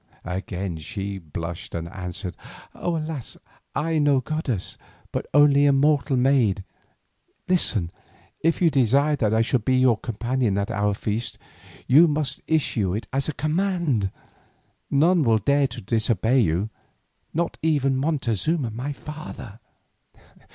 Again she blushed and answered, "Alas! I am no goddess, but only a mortal maid. Listen, if you desire that I should be your companion at our feasts, you must issue it as a command; none will dare to disobey you, not even Montezuma my father."